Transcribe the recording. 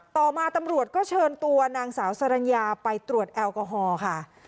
ต่อมาตำรวจก็เชิญตัวนางสาวสรรญาไปตรวจแอลกอฮอล์ค่ะ